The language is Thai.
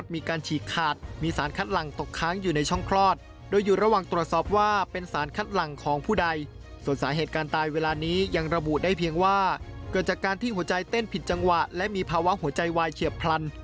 มีผิดจังหวะและมีภาวะหัวใจวายเขียบพลัน